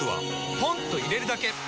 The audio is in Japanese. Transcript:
ポンと入れるだけ！